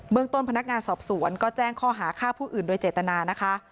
เมืองต้นพนักงานสอบสวนก็แจ้งข้อหาฆ่าผู้อื่นโดยเจตนานะคะ